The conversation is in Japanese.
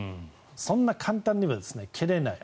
そんな簡単には切れない。